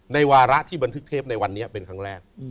วาระที่บันทึกเทปในวันนี้เป็นครั้งแรก